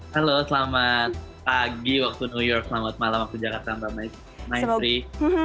halo selamat pagi waktu new york selamat malam waktu jakarta mbak maestri